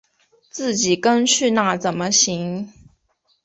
自己跟去那怎么行